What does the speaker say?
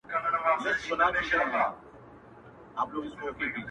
• سپرلي حُسن ګلاب رنګ ترې زکات غواړي..